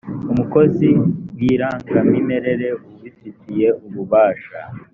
umukozi w’irangamimerere ubifitiye ububasha